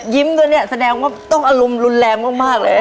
ตัวเนี่ยแสดงว่าต้องอารมณ์รุนแรงมากเลย